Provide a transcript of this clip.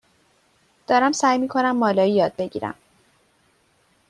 دارم سعی می کنم مالایی یاد بگیرم.